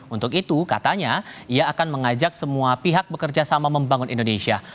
untuk itu katanya ia akan mengajak semua pihak bekerja sama membangun indonesia